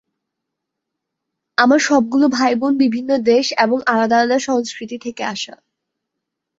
আমার সবগুলো ভাইবোন বিভিন্ন দেশ এবং আলাদা আলাদা সংস্কৃতি থেকে আসা।